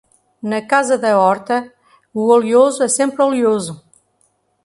Na casa da horta, o oleoso é sempre oleoso.